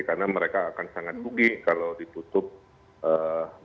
karena mereka akan sangat bugi kalau ditutup empat belas hari